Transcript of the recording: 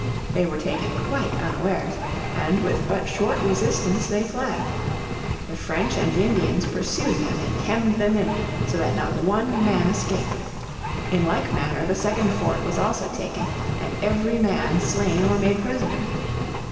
They were taken quite unawares, and with but short resistance they fled. The French and Indians pursued them and hemmed them in so that not one man escaped. In like manner the second fort was also taken, and every man slain or made prisoner.